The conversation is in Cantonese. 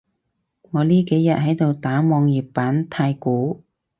我呢幾日喺度打網頁版太鼓